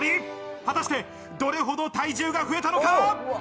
果たして、どれほど体重が増えたのか？